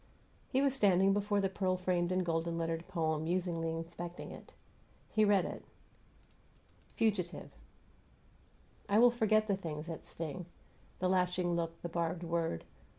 He was standing before the pearl framed and golden lettered poem, musingly inspecting it. He read it: FUGITIVE I will forget the things that sting: The lashing look, the barbed word.